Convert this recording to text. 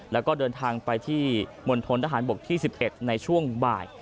แล้วก็เดินทางไปที่มณฑนทหารบกที่๑๑ในช่วงบ่าย